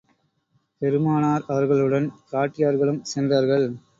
பெருமானார் அவர்களுடன், பிராட்டியார்களும் சென்றார்கள்.